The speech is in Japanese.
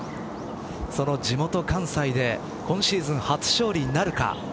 その地元関西で今シーズン初勝利なるか。